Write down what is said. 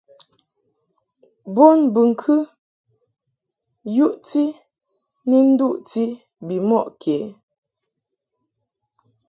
Bonbɨŋkɨ yuʼti ni duʼti bimɔʼ kě.